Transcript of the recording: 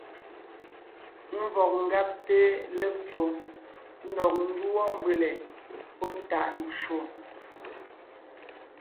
Ḿvɔg ńgabte lepfo ndɔg ńdúɔ mbʉ̀le pɔ́ tàʼ ncwò.